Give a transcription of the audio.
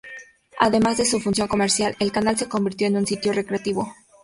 Además de su función comercial, el canal se convirtió en un sitio recreativo.